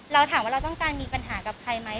เราถามว่าเราต้องการมีปัญหากับใครไหม